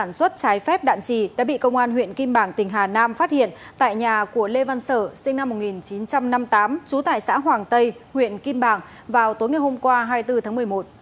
sản xuất trái phép đạn trì đã bị công an huyện kim bảng tỉnh hà nam phát hiện tại nhà của lê văn sở sinh năm một nghìn chín trăm năm mươi tám trú tại xã hoàng tây huyện kim bảng vào tối ngày hôm qua hai mươi bốn tháng một mươi một